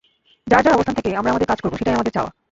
যার যার অবস্থান থেকে আমরা আমাদের কাজ করব, সেটাই আমাদের চাওয়া।